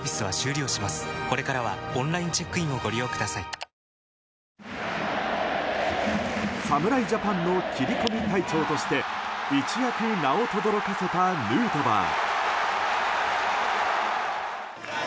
東京海上日動侍ジャパンの切り込み隊長として一躍、名をとどろかせたヌートバー。